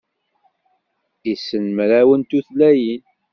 Issen mraw n tutlayin.